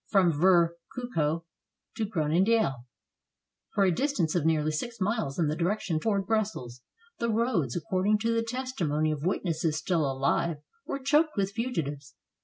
From Vert Coucou to Groe nendael, for a distance of nearly six miles in the direction toward Brussels, the roads, according to the testimony of witnesses still alive, were choked with fugitives.